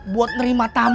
buat nerima tamu